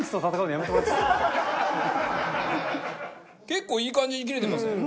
結構いい感じに切れてません？